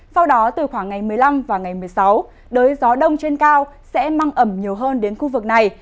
sau đó từ khoảng ngày một mươi năm và ngày một mươi sáu đới gió đông trên cao sẽ mang ẩm nhiều hơn đến khu vực này